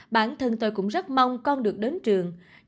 bản thân tôi cũng rất mong con được đến trường